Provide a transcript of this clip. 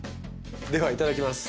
ではいただきます。